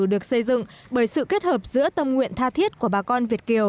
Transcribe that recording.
được xây dựng bởi sự kết hợp giữa tâm nguyện tha thiết của bà con việt kiều